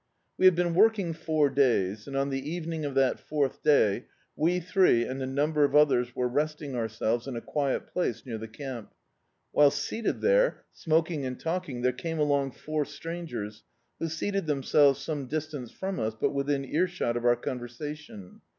We had been working four days, and on the even ing of that fourth day we three and a number of others were resting ourselves in a quiet place near the camp. Whilst seated there, smoking and talk ing, there came along four strangers, who seated themselves some distance from us, but within ear shot of our conversation.